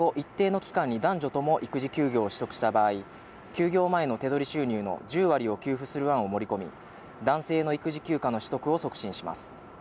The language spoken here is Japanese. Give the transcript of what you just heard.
そして出産後、一定の期間に男女とも育児休業を取得した場合、休業前の手取り収入の１０割を給付する案を盛り込み、男性の育児休暇の取得を促進します。